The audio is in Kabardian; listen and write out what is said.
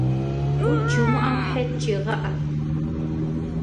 Цӏут жымыӏэу, Хьет жегъыӏэ!